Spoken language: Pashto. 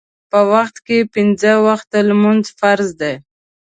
په ورځ کې پنځه وخته لمونځ فرض دی.